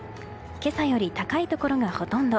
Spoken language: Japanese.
今朝より高いところがほとんど。